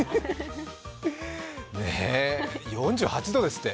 ４８度ですって。